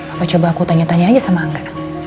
apa coba aku tanya tanya aja sama angga